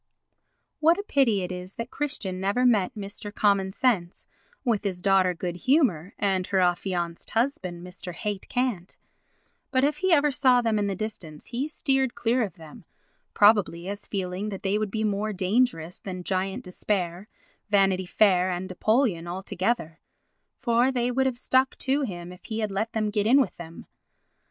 What a pity it is that Christian never met Mr. Common Sense with his daughter, Good Humour, and her affianced husband, Mr. Hate Cant; but if he ever saw them in the distance he steered clear of them, probably as feeling that they would be more dangerous than Giant Despair, Vanity Fair and Apollyon all together—for they would have stuck to him if he had let them get in with him.